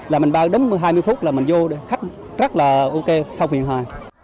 là mình bán đấm hai mươi phút là mình vô đây khách rất là ok không phiền hòa